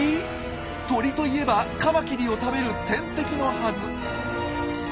鳥といえばカマキリを食べる天敵のはず。